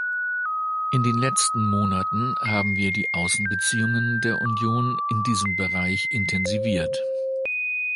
In den letzten Monaten haben wir die Außenbeziehungen der Union in diesem Bereich intensiviert.